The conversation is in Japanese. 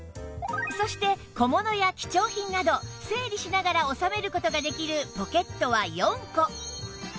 そして小物や貴重品など整理しながら収める事ができるポケットは４個